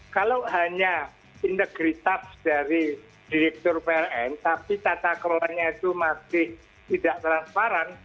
kalau hanya integritas dari direktur pln tapi tata kelolanya itu masih tidak transparan